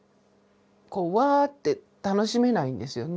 こうワッて楽しめないんですよね。